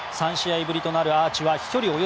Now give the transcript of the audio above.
３試合ぶりとなるアーチは飛距離